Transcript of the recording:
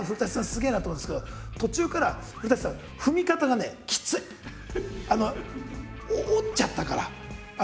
すげえなと思うんですけど途中から古さん折っちゃったから。